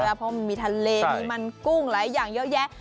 เพราะมันมีทะเลมีมันกุ้งหลายอย่างเยอะแยะ